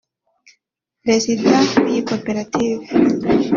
Perezida w’iyi koperative